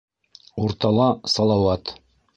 Уртала - Салауат.